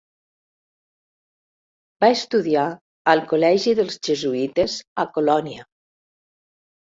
Va estudiar al col·legi dels jesuïtes a Colònia.